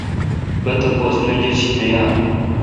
با تاپوس منجرشی نہ یا۔